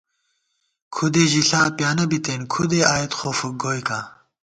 کھُدے ژِݪا پیانہ بِتېن ، کھُدے آئیت خو فُک گوئیکاں